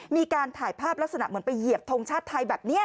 มีการถ่ายภาพลักษณะเหมือนไปเหยียบทงชาติไทยแบบนี้